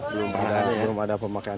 belum ada pemakaian